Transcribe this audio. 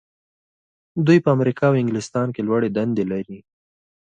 دوی په امریکا او انګلستان کې لوړې دندې لري.